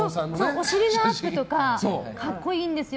お尻のアップとか格好いいんですよ。